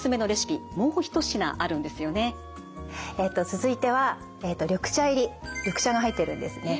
続いては緑茶入り緑茶が入ってるんですね。